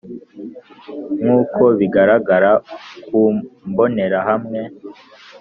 Nkuko bigaragara ku mbonerahamwe